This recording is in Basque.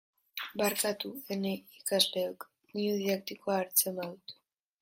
Barkatu, ene ikasleok, doinu didaktikoa hartzen badut.